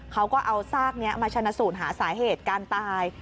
เขาก็เอาซากนี้มาชนะสูตรหาสาเหตุการตาย